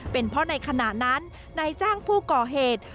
เป็นเพราะในขณะนั้นนายจ้างผู้ก่อเหตุ